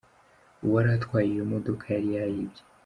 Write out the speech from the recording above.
Uwari atwaye iyo modoka yari yayibye .